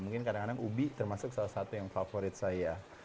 mungkin kadang kadang ubi termasuk salah satu yang favorit saya